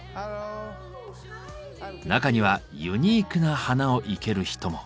中にはユニークな花を生ける人も。